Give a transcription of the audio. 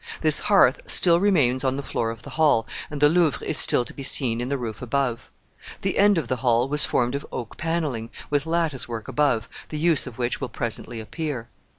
This hearth still remains on the floor of the hall, and the louvre is still to be seen in the roof above.[K] The end of the hall was formed of oak panneling, with lattice work above, the use of which will presently appear.